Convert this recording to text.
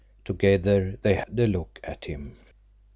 Together they had a look at him.